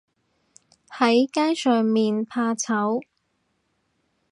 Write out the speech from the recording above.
喺街上面怕醜